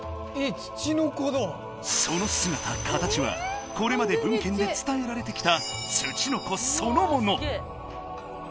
その姿形はこれまで文献で伝えられてきたツチノコそのもの！